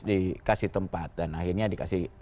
dikasih tempat dan akhirnya dikasih